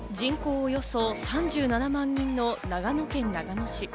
およそ３７万人の長野県長野市。